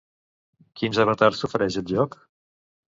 Quins avatars t'ofereix el joc?